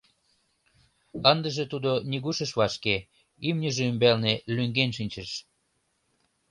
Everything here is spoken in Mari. Ындыже тудо нигуш ыш вашке, имньыже ӱмбалне лӱҥген шинчыш.